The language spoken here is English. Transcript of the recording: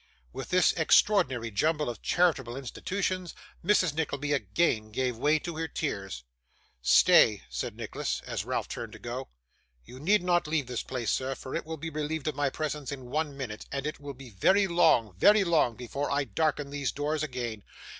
With this extraordinary jumble of charitable institutions, Mrs. Nickleby again gave way to her tears. 'Stay,' said Nicholas, as Ralph turned to go. 'You need not leave this place, sir, for it will be relieved of my presence in one minute, and it will be long, very long, before I darken these doors again.